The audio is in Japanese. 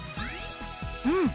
うん！